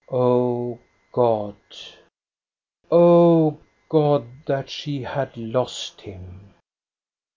O God, O God, that she had lost him